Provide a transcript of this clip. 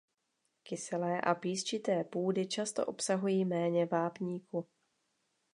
Kyselé a písčité půdy často obsahují méně vápníku.